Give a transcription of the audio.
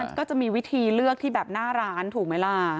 มันก็จะมีวิธีเลือกที่แบบหน้าร้านถูกไหมล่ะ